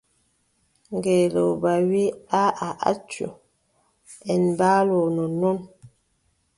Ngeelooba wii: aaʼa accu en mbaalu nonnon.